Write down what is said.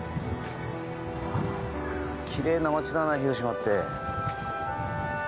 きれいな街だな、広島って。